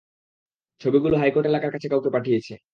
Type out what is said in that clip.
ছবিগুলো হাইকোর্ট এলাকার কাছে কাউকে পাঠিয়েছে।